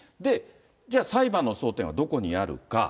じゃあ、裁判の争点はどこにあるか。